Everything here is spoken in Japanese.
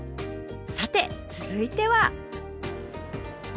さて続いては